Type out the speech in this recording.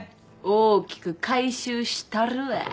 大きく回収したるわ。